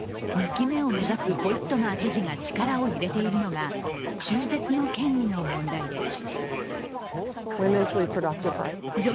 ２期目を目指すホイットマー知事が力を入れているのが中絶の権利の問題です。